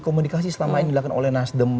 komunikasi selama ini dilakukan oleh nasdem